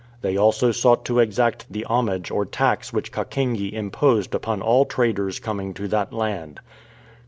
They also sought to exact the homage or tax which Kakenge imposed upon all traders coming to that land.